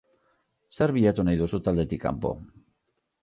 Zer bilatu nahi duzu taldetik kanpo?